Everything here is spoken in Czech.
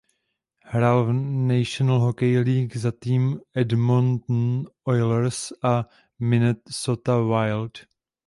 Hrál v National Hockey League za tým Edmonton Oilers a Minnesota Wild.